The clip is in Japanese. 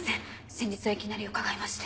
先日はいきなり伺いまして。